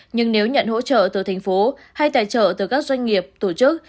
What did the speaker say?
nhưng nếu nhận hỗ trợ từ thành phố hay tài trợ từ các doanh nghiệp tổ chức